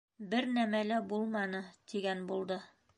— Бер нәмә лә булманы... — тигән булды.